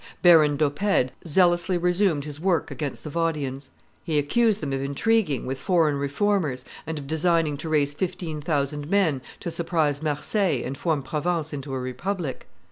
Baron d'Oppede zealously resumed his work against the Vaudians; he accused them of intriguing; with foreign Reformers, and of designing to raise fifteen thousand men to surprise Marseilles and form Provence into a republic.